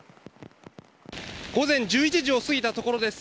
午前１１時を過ぎたところです。